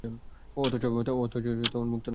অথচ তা উন্মুক্ত নয়।